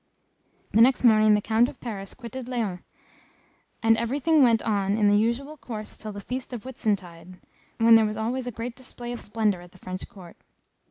The next morning the Count of Paris quitted Laon, and everything went on in the usual course till the feast of Whitsuntide, when there was always a great display of splendour at the French court.